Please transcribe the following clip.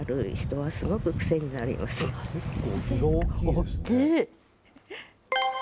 おっきい。